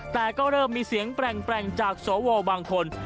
แต่ก็เริ่มมีเสียงแปลงจากสวบางคน